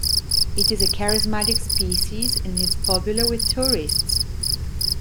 It is a charismatic species and is popular with tourists.